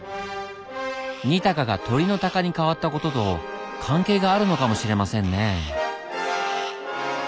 「二鷹」が鳥の鷹に変わった事と関係があるのかもしれませんね。